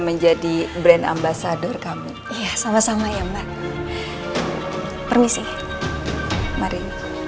menjadi brand ambasador kamu iya sama sama ya mbak permisi mari